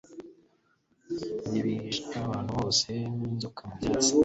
bihisha ahantu hose nk'inzoka mu byatsi